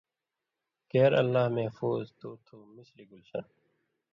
کېر اللہ محفوظ تُو تُھو مثلِ گُلشن